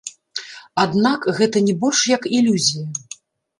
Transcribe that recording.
Аднак гэта не больш як ілюзія.